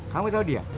kamu tahu dia